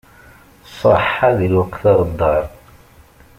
Ṣaḥḥa di lweqt aɣeddar.